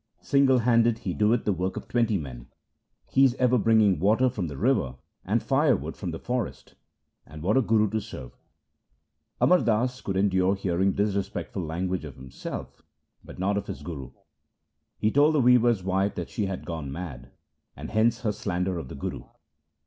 Single handed he doeth the work of twenty men. He is ever bringing water from the river and firewood from the forest ; and what a guru to serve !' Amar Das could endure hearing disrespectful language of himself, but not of his Guru. He told the weaver's wife that she had gone mad, and hence her slander of the Guru.